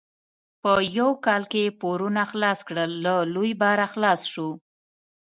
په یو کال یې پورونه خلاص کړل؛ له لوی باره خلاص شو.